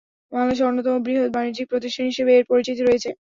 বাংলাদেশের অন্যতম বৃহৎ বাণিজ্যিক প্রতিষ্ঠান হিসেবে এর পরিচিতি রয়েছে।